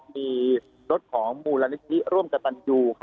มีรถของมูลณะนิสลิะร่วมจะต่ำอยู่